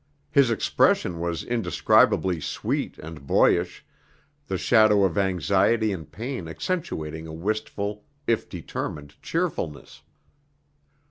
His expression was indescribably sweet and boyish, the shadow of anxiety and pain accentuating a wistful if determined cheerfulness.